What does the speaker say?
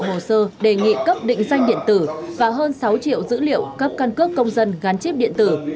hồ sơ đề nghị cấp định danh điện tử và hơn sáu triệu dữ liệu cấp căn cước công dân gắn chip điện tử